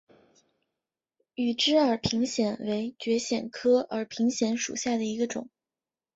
羽枝耳平藓为蕨藓科耳平藓属下的一个种。